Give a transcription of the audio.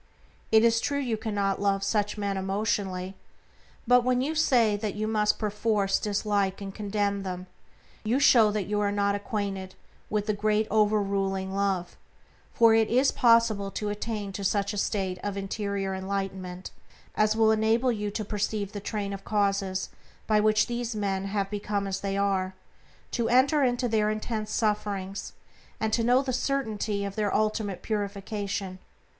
It is true you cannot love such men emotionally, but when you say that you must perforce dislike and condemn them you show that you are not acquainted with the Great over ruling Love; for it is possible to attain to such a state of interior enlightenment as will enable you to perceive the train of causes by which these men have become as they are, to enter into their intense sufferings, and to know the certainty of their ultimate purification.